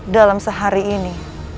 dalam sehari ini